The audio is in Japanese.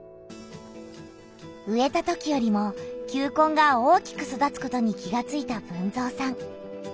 植えたときよりも球根が大きく育つことに気がついた豊造さん。